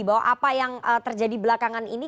bahwa apa yang terjadi belakangan ini